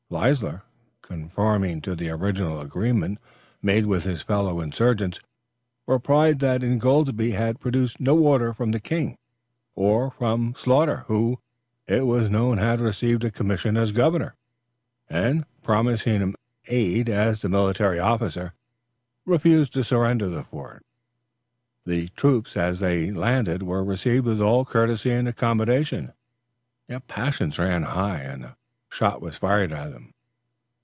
Leisler, conforming to the original agreement made with his fellow insurgents, replied that Ingoldsby had produced no order from the king, or from Sloughter, who, it was known had received a commission as governor, and, promising him aid as a military officer, refused to surrender the fort. The troops as they landed were received with all courtesy and accommodation; yet passions ran high, and a shot was fired at them.